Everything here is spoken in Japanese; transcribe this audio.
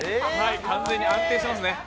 完全に安定してますね。